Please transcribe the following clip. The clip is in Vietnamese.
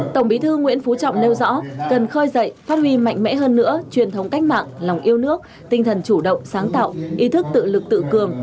tổng bí thư nguyễn phú trọng nêu rõ cần khơi dậy phát huy mạnh mẽ hơn nữa truyền thống cách mạng lòng yêu nước tinh thần chủ động sáng tạo ý thức tự lực tự cường